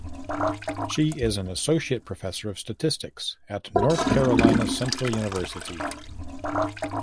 She is an associate professor of statistics at North Carolina Central University.